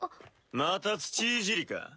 ・また土いじりか。